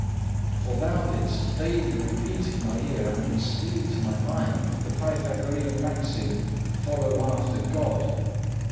For thou didst daily repeat in my ear and instil into my mind the Pythagorean maxim, "Follow after God."